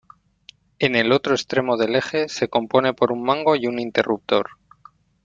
En el otro extremo del eje se compone por un mango y un interruptor.